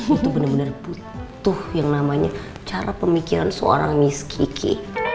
itu bener bener butuh yang namanya cara pemikiran seorang miss kiki